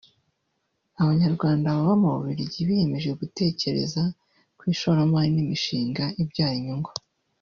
Abanyarwanda baba mu Bubiligi biyemeje gutekereza ku ishoramari n’imishinga ibyara inyungu